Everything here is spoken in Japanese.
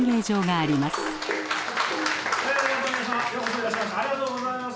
ありがとうございます。